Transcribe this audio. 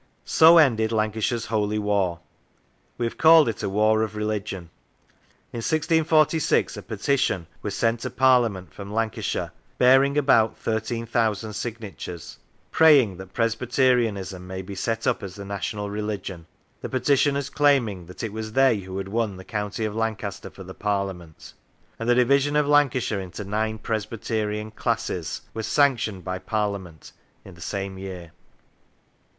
So ended Lancashire's Holy War. We have called it a War of Religion. In 1646 a petition was sent to 106 The War of Religion Parliament from Lancashire, bearing about 13,000 signatures, praying that Presbyterianism may be set up as the national religion, the petitioners claiming that it was they who had won the County of Lancaster for the Parliament; and the division of Lancashire into nine Presbyterian " classes " was sanctioned by Parliament in the same year.